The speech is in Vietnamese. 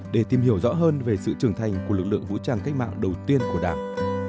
để tìm hiểu rõ hơn về sự trưởng thành của lực lượng vũ trang cách mạng đầu tiên của đảng